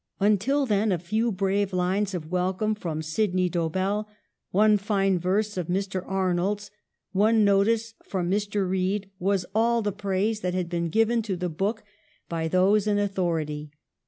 Until then, a few brave lines of welcome from Sydney Dobell, one fine verse of Mr. Arnold's, one notice from Mr. Reid, was all the praise that had been given to the book by those INTRODUCTION. 3 in authority.